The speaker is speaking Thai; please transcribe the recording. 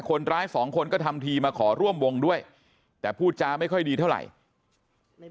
คนร้ายสองคนก็ทำทีมาขอร่วมวงด้วยแต่พูดจาไม่ค่อยดีเท่าไหร่